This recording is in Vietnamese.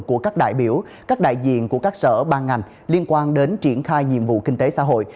của các đại biểu các đại diện của các sở ban ngành liên quan đến triển khai nhiệm vụ kinh tế xã hội